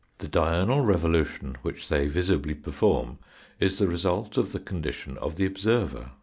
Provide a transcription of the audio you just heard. The diurnal revolution which they visibly perform is the result of the condition of the observer.